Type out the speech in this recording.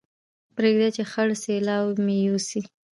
پرېږده چې خړ سېلاو مې يوسي